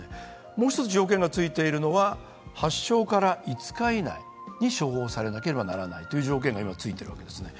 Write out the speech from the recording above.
もう１つ条件がついているのは、発症から５日以内に処方されなければならないという条件が今、ついているわけですね。